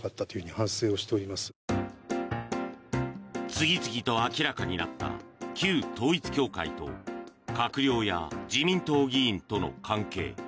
次々と明らかになった旧統一教会と閣僚や自民党議員との関係。